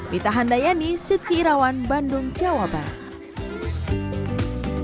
kita hendayani siti rawan bandung jawabannya